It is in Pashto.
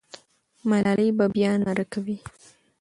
ملالۍ به بیا ناره کوي.